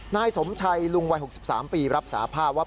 นายสมชัยลุงวัย๖๓ปีรับสาภาพว่า